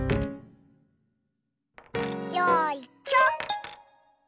よいしょ。